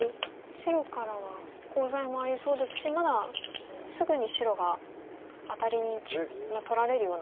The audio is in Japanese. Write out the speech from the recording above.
白からはコウ材もありそうですしまだすぐに白がアタリに取られるようなコウではないと。